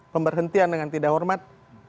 pemberhentian dengan tidak hormat